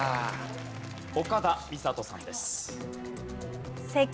岡田美里さんです。